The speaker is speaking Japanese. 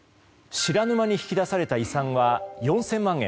知らぬ間に引き出された遺産は４０００万円。